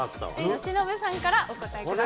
由伸さんからお答えください。